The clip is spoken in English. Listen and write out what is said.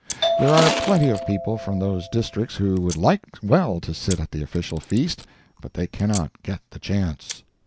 There are plenty of people from those districts who would like well to sit at the official feast, but they cannot get the chance.